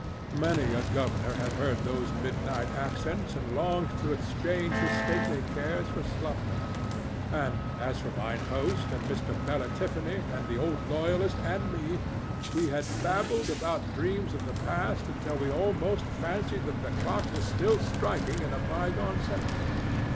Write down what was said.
Many a governor had heard those midnight accents and longed to exchange his stately cares for slumber. And, as for mine host and Mr. Bela Tiffany and the old loyalist and me, we had babbled about dreams of the past until we almost fancied that the clock was still striking in a bygone century.